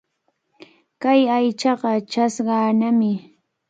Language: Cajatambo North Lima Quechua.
Kay aychaqa chashqanami.